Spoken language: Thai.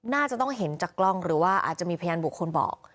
น่าจะต้องเห็นจากกล้องหรือว่าอาจจะมีพยานบุคคลบอก